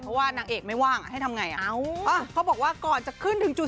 เพราะว่านางเอกไม่ว่างให้ทำไงเขาบอกว่าก่อนจะขึ้นถึงจุด